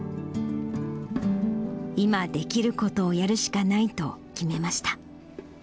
今できることをやるしかないと決めました。